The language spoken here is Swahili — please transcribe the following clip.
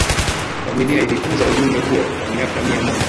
familia ilitunza ujumbe huo kwa miaka mia moja